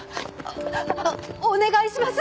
お願いします。